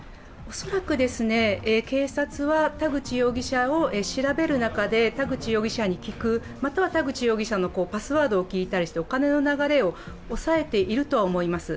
恐らく警察は田口容疑者を調べる中で田口容疑者に聞く、または田口容疑者のパスワードを聞いたりしてお金の流れを押さえているとは思います。